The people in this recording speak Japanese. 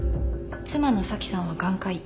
妻の紗季さんは眼科医。